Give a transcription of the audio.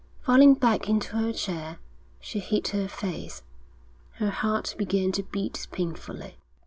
Falling back into her chair, she hid her face. Her heart began to beat painfully.